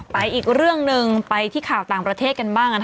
อีกเรื่องหนึ่งไปที่ข่าวต่างประเทศกันบ้าง